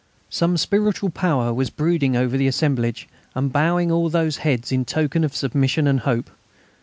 Some spiritual power was brooding over the assemblage and bowing all those heads in token of submission and hope.